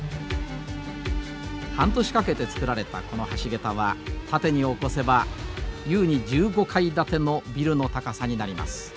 半年かけてつくられたこの橋桁は縦に起こせば優に１５階建てのビルの高さになります。